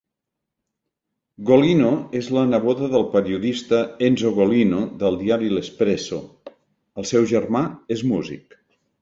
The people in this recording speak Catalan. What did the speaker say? Golino és la neboda del periodista Enzo Golino del diari "L'Espresso", el seu germà és músic.